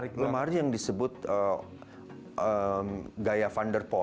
ini lemari yang disebut gaya van der pol